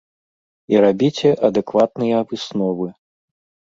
І рабіце адэкватныя высновы!